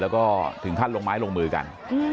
แล้วก็ถึงขั้นลงไม้ลงมือกัน